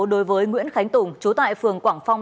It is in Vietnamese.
đối với nguyễn khánh tùng chú tại phường quảng phong